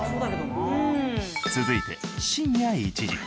続いて深夜１時。